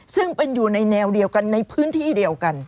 ซึ่งเป็นอยู่ในแนวเดียวกันในพื้นที่เดียวกัน